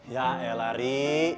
ya elah ri